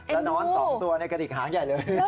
แล้วนอน๒ตัวในกระดิกหางใหญ่เลย